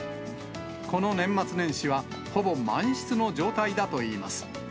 この年末年始は、ほぼ満室の状態だといいます。